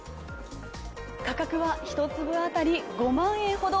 価格は１粒当たり５万円ほど。